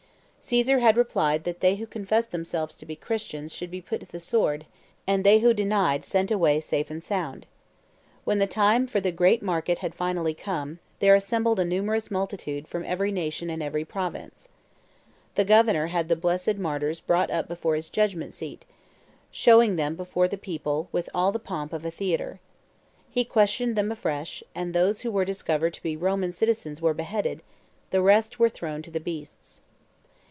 Caesar had replied that they who confessed themselves to be Christians should be put to the sword, and they who denied sent away safe and sound. When the time for the great market had fully come, there assembled a numerous multitude from every nation and every province. The governor had the blessed martyrs brought up before his judgment seat, showing them before the people with all the pomp of a theatre. He questioned them afresh; and those who were discovered to be Roman citizens were beheaded, the rest were thrown to the beasts.